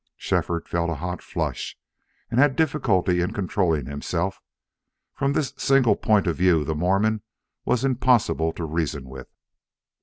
Shefford felt a hot flush and had difficulty in controlling himself. From this single point of view the Mormon was impossible to reason with.